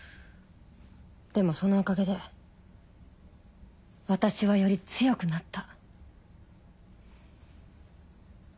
でもそのおかげで私はより強くなった。